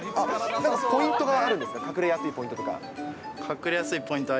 ポイントがあるんですか、隠れやすいポイントとか。